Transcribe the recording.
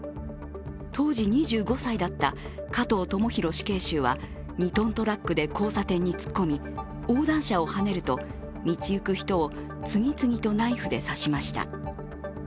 当時２５歳だった加藤智大死刑囚は、２ｔトラックで交差点に突っ込み横断者をはねると道行く人を次々とナイフで刺しました。